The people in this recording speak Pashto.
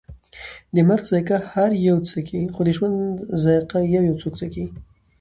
د مرګ ذائقه هر یو څکي، خو د ژوند ذائقه یویو څوک څکي